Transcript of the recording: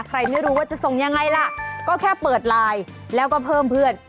ไม่รู้ว่าจะส่งยังไงล่ะก็แค่เปิดไลน์แล้วก็เพิ่มเพื่อน